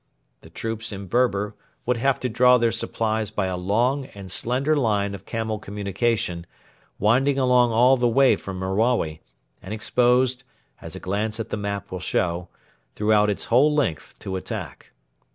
The troops in Berber would have to draw their supplies by a long and slender line of camel communication, winding along all the way from Merawi, and exposed, as a glance at the map will show, throughout its whole length to attack.